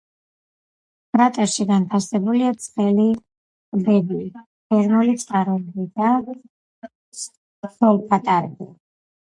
კრატერში განთავსებულია ცხელი ტბები, თერმული წყაროები და სოლფატარები.